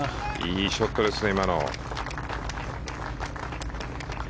いいショットですね。